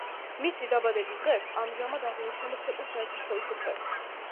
მისი დაბადების დღეს ამჟამად აღინიშნება ცეკვის საერთაშორისო დღე.